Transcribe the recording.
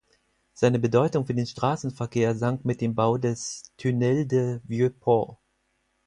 Seine Bedeutung für den Straßenverkehr sank mit dem Bau des "Tunnel du Vieux-Port".